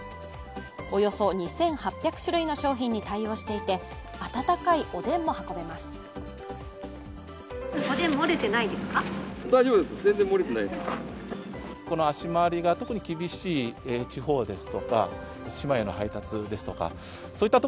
およそ２８００種類の商品に対応していて温かいおでんも運べます。